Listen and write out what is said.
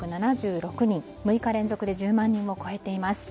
６日連続で１０万人を超えています。